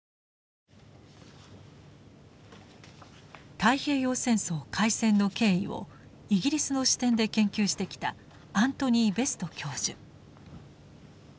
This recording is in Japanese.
太平洋戦争開戦の経緯をイギリスの視点で研究してきたアントニー・ベスト教授。